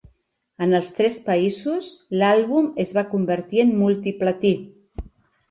En els tres països, l'àlbum es va convertir en multiplatí.